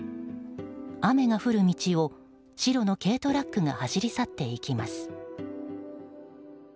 雨が降る道を白の軽トラックが走り去っていきます。